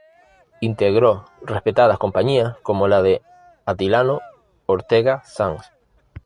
Integró respetadas compañías como la de Atilano Ortega Sanz.